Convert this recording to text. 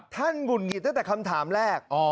ท่านบุญหิตตั้งแต่คำถามแรก